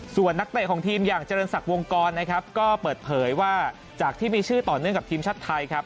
ส่วนนักเตะของทีมอย่างเจริญศักดิ์วงกรนะครับก็เปิดเผยว่าจากที่มีชื่อต่อเนื่องกับทีมชาติไทยครับ